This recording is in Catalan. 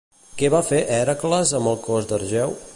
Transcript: Què va fer Hèracles amb el cos d'Argeu?